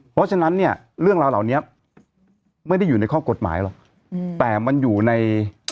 เพราะฉะนั้นเนี่ยเรื่องราวเหล่านี้ไม่ได้อยู่ในข้อกฎหมายหรอกแต่มันอยู่ใน